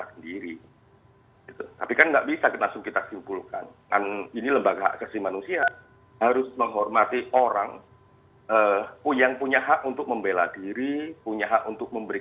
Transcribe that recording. siapa tahu juga ada bantahan